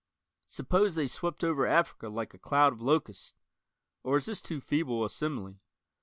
Suppose they swept over Africa like a cloud of locusts? Or is this too feeble a simile?